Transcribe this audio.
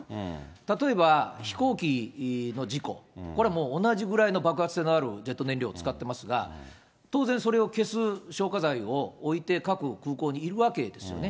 例えば、飛行機の事故、これはもう、同じぐらいの爆発性のあるジェット燃料を使ってますが、当然、それを消す消火剤を置いて、各空港にいるわけですよね。